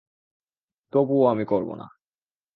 তবুও আমি করব না।